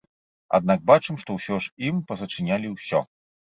Аднак бачым, што ўсё ж ім пазачынялі ўсё.